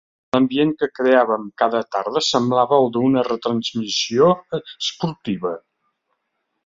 L'ambient que creàvem cada tarda semblava el d'una retransmissió esportiva.